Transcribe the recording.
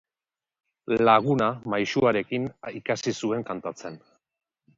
Laguna maisuarekin ikasi zuen kantatzen.